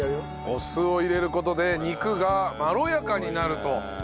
お酢を入れる事で肉がまろやかになると。